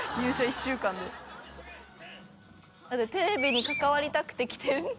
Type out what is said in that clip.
藤田）テレビに関わりたくて来て丱ぅ